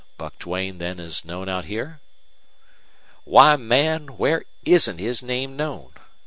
Buck Duane then is known out here?" "Why, man, where isn't his name known?"